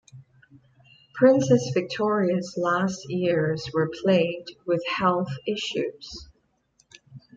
Princess Victoria's last years were plagued with health issues.